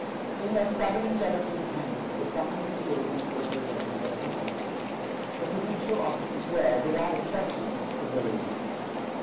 In their stubborn and jealous independence, the sons of the Puritans would have resented their presence. The provincial officers were, without exception, civilians.